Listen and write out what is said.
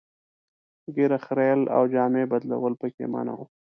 ږیره خرییل او جامې بدلول پکې منع وو.